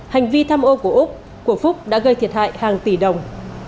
hành vi tham ô của úc của phúc đã gây thiệt hại hàng tỷ đồng